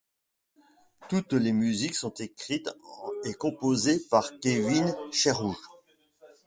Toutes les musiques sont écrites et composées par Kevin Sherwood.